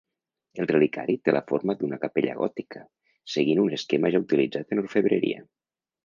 El reliquiari té la forma d'una capella gòtica, seguint un esquema ja utilitzat en orfebreria.